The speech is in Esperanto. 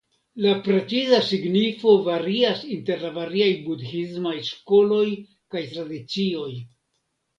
La preciza signifo varias inter la variaj budhismaj skoloj kaj tradicioj.